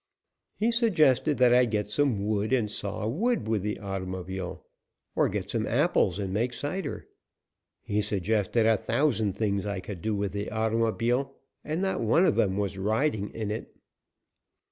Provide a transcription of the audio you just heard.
He suggested that I get some wood and saw wood with the automobile, or get some apples and make cider. He suggested a thousand things I could do with the automobile, and not one of them was riding in it.